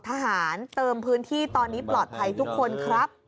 ทหารเติมพื้นที่ตอนนี้ปลอดภัยทุกคนครับ